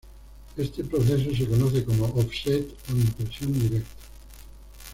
Este proceso se conoce como "Offset" o impresión directa.